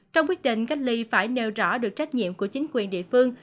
trong quyết định cách ly phải nêu rõ được trách nhiệm của chính quyền địa phương